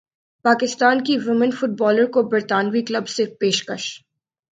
پاکستان کی women footballer کو برطانوی کلب سے پیشکش